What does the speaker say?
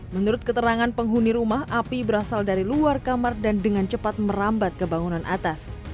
menurut keterangan penghuni rumah api berasal dari luar kamar dan dengan cepat merambat ke bangunan atas